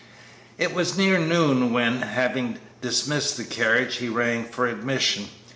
It was near noon when, having dismissed the carriage, he rang for admission.